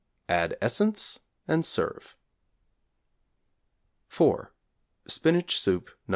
Add essence and serve. =4. Spinach Soup No.